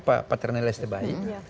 pak paternil estebayi